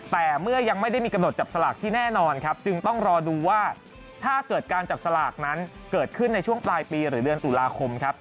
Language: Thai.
แต่เมื่อยังไม่ได้มีกำหนดจับสลากที่แน่นอนครับจึงต้องรอดูว่าถ้าเกิดการจับสลากนั้นเกิดขึ้นในช่วงปลายปีหรือเดือนตุลาคมครับ